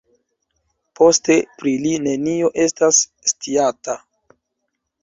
Poste pri li nenio estas sciata.